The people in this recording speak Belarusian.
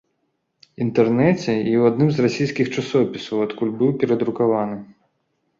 Інтэрнэце і ў адным з расійскіх часопісаў, адкуль быў перадрукаваны.